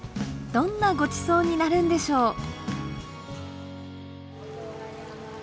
どんなごちそうになるんでしょう。